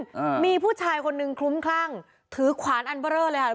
อ่ามีผู้ชายคนนึงคลุ้มคลั่งถือขวานอันเบอร์เรอเลยค่ะ